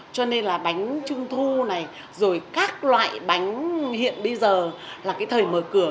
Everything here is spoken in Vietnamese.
cho nên là bánh trung thu này rồi các loại bánh hiện bây giờ là cái thời mở cửa